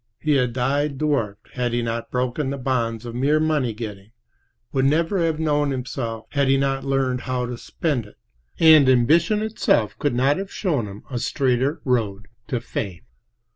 He had died dwarfed had he not broken the bonds of mere money getting; would never have known himself had he not learned how to spend it; and ambition itself could not have shown him a straighter road to fame.